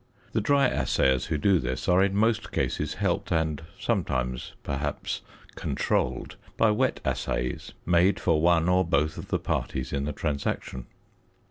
The dry assayers who do this are in most cases helped, and sometimes, perhaps, controlled, by wet assays made for one or both of the parties in the transaction.